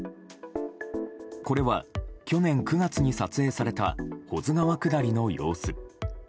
これは去年９月に撮影された保津川下りの様子。